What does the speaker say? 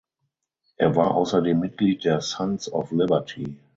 Er war außerdem Mitglied der Sons of Liberty.